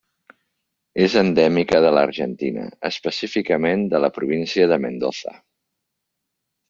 És endèmica de l'Argentina, específicament, de la província de Mendoza.